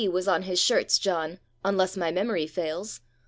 was on his shirts, John, Onless my memory fails.